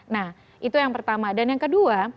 nah itu yang pertama dan yang kedua